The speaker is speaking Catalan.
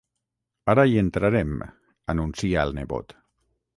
Ara hi entrarem, anuncia el nebot.